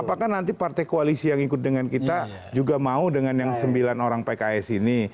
apakah nanti partai koalisi yang ikut dengan kita juga mau dengan yang sembilan orang pks ini